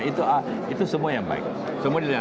itu semua yang baik semua dilihatkan